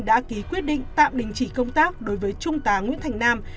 đã ký quyết định tạm đình chỉ công tác đối với trung tá nguyễn thành nam